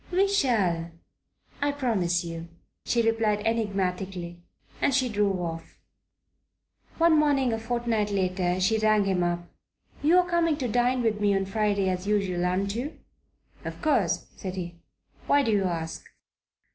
"We shall, I promise you," she replied enigmatically; and she drove off. One morning, a fortnight later, she rang him up. "You're coming to dine with me on Friday, as usual, aren't you?" "Of course," said he. "Why do you ask?"